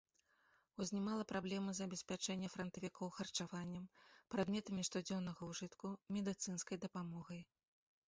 Узнімала праблемы забеспячэння франтавікоў харчаваннем, прадметамі штодзённага ўжытку, медыцынскай дапамогай.